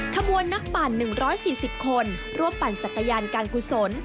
ขบวนนักปั่น๑๔๐คนร่วมปั่นจักรยานการกุศล